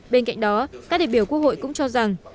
bên cạnh đó các đại biểu quốc hội cũng cho rằng